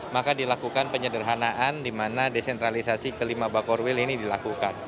maka dilakukan penyederhanaan di mana desentralisasi kelima bakor will ini dilakukan